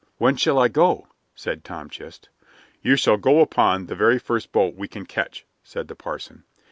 "When shall I go?" said Tom Chist. "You shall go upon the very first boat we can catch," said the parson.